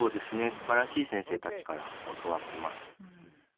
すばらしい先生たちから教わってます。